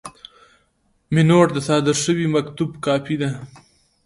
مینوټ د صادر شوي مکتوب کاپي ده.